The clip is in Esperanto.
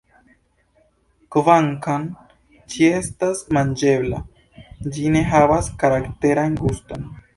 Kvankam ĝi estas manĝebla, ĝi ne havas karakteran guston.